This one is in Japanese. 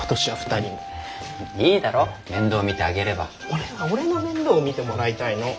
俺は俺の面倒を見てもらいたいの！